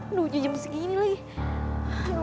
aduh jam segini lagi